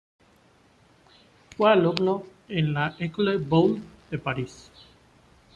Fue alumno en la École Boulle de París.